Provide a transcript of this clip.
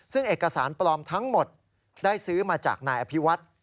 ซึ่งเอกสารปลอมทั้งหมดได้ซื้อมาจากนายอภิวัฒน์